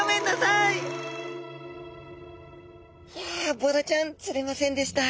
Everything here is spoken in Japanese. いやボラちゃん釣れませんでした。